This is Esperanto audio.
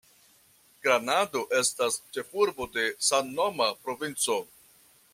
Granado estas ĉefurbo de samnoma provinco.